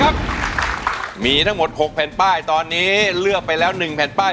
ครับมีทั้งหมด๖แผ่นป้ายตอนนี้เลือกไปแล้ว๑แผ่นป้าย